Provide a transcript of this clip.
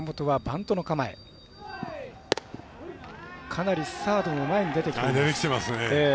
かなりサードが前に出てきています。